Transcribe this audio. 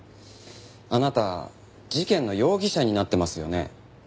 あなた事件の容疑者になってますよね？